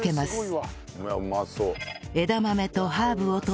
うまそう。